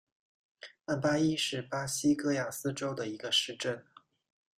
曼巴伊是巴西戈亚斯州的一个市镇。